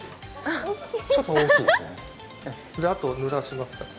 あと、ぬらしますね。